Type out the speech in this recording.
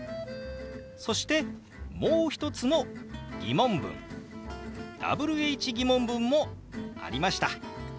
そしてもう一つの疑問文Ｗｈー疑問文もありました。